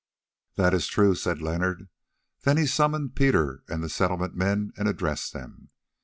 "That is true," said Leonard. Then he summoned Peter and the Settlement men and addressed them.